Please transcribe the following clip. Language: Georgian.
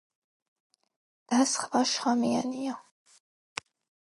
და სხვა შხამიანია.